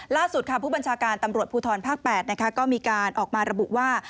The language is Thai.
ล่าสุดค่ะผู้บัญชาการตำรวจภูทรภาค๘ก็มีการออกมาระบุว่า